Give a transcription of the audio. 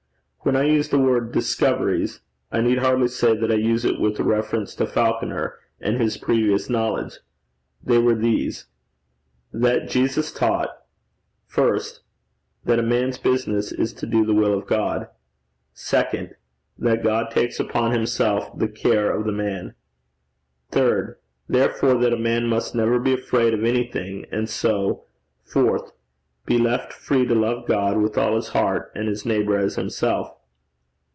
When I use the word discoveries, I need hardly say that I use it with reference to Falconer and his previous knowledge. They were these: that Jesus taught First, That a man's business is to do the will of God: Second, That God takes upon himself the care of the man: Third, Therefore, that a man must never be afraid of anything; and so, Fourth, be left free to love God with all his heart, and his neighbour as himself.